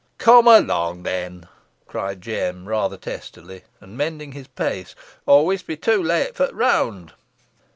"Cum along then," cried Jem, rather testily, and mending his pace, "or we'st be too late fo' t' round.